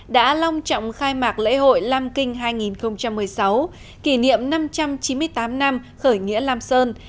đã long trọng khai mạc lễ hội lam kinh hai nghìn một mươi sáu kỷ niệm năm trăm chín mươi tám năm khởi nghĩa lam sơn